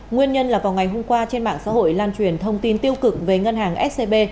nguyên nhân là vào ngày hôm qua trên mạng xã hội lan truyền thông tin tiêu cực về ngân hàng scb